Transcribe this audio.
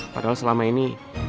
padahal selama ini